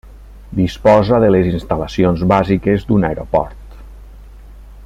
Disposa de les instal·lacions bàsiques d'un aeroport.